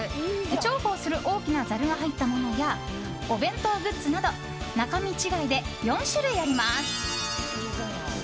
重宝する大きなざるが入ったものやお弁当グッズなど中身違いで４種類あります。